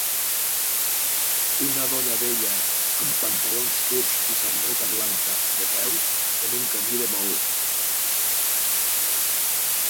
Una dona vella amb pantalons curts i samarreta blanca de peu en un camí de maó.